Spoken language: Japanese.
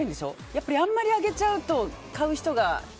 やっぱりあんまあげちゃうと買う人が。